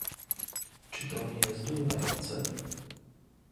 Czy to nie zdumiewające